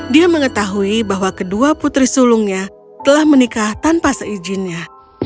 dia mengetahui bahwa kedua putri sulungnya telah menikah tanpa seizinnya